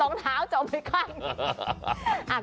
รองเท้าจมไว้กว้าง